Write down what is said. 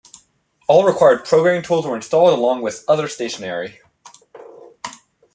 All required programming tools were installed, along with other stationery.